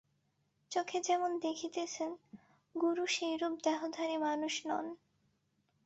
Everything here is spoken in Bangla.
চোখে যেমন দেখিতেছেন, গুরু সেইরূপ দেহধারী মানুষ নন।